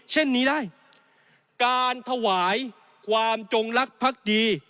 เช่นนี้ได้การถวายความจงลักษ์ดี